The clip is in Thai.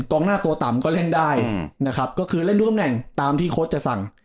กองหน้าตัวต่ำก็เล่นได้นะครับก็คือเล่นร่วมตำแหน่งตามที่โค้ชจะสั่ง